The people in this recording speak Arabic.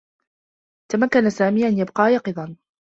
تمكّن سامي أن يبقى يقظا.